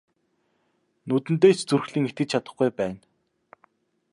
Нүдэндээ ч зүрхлэн итгэж чадахгүй байна.